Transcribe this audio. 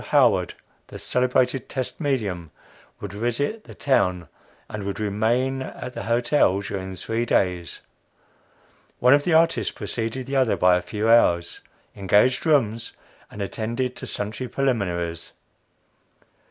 Howard, the celebrated test medium, would visit the town of , and would remain at the Hotel during three days." One of the artists preceded the other by a few hours, engaged rooms, and attended to sundry preliminaries. "Mr.